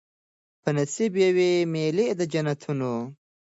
په نصیب یې وي مېلې د جنتونو